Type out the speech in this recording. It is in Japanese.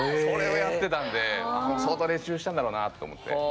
それをやってたんで相当練習したんだろなと思って。